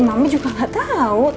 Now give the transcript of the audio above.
mama juga gak tau